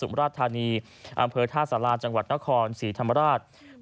สุมราชธานีอำเภอท่าสลาจังหวัดนครสิทธิธรรมราช